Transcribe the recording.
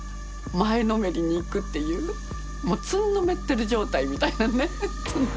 前のめりに行くっていうもうつんのめってる状態みたいなね。